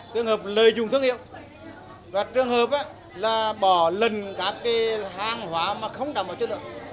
trường hợp lợi dụng thương hiệu các trường hợp là bỏ lần các hàng hóa mà không đảm bảo chất lượng